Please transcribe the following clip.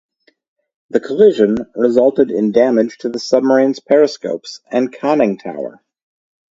The collision resulted in damage to the submarine's periscopes and conning tower.